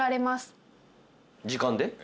時間で？